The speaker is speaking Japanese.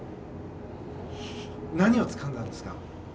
何をつかんだんですか？